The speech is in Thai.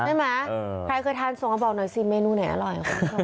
ใช่ไหมใครเคยทานส่งมาบอกหน่อยสิเมนูไหนอร่อย